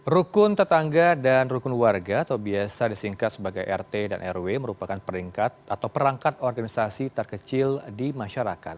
rukun tetangga dan rukun warga atau biasa disingkat sebagai rt dan rw merupakan peringkat atau perangkat organisasi terkecil di masyarakat